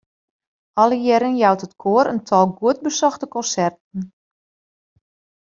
Alle jierren jout it koar in tal goed besochte konserten.